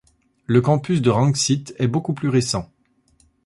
Le campus de Rangsit est beaucoup plus récent.